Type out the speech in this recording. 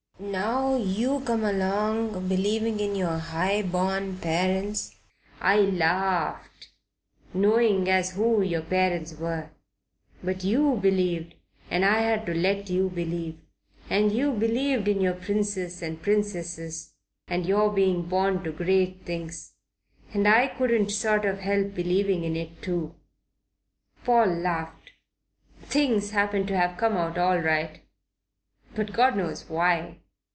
Now you come along believing in yer 'igh born parents. I larfed, knowing as who yer parents were. But you believed, and I had to let you believe. And you believed in your princes and princesses, and your being born to great things. And I couldn't sort of help believing in it too." Paul laughed. "Things happen to have come out all right, but God knows why."